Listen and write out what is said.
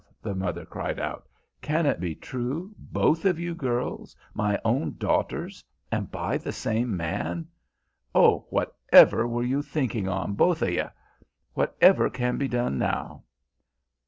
the mother cried out, 'can it be true, both of you girls, my own daughters, and by the same man! Oh, whatever were you thinking on, both of ye! Whatever can be done now!"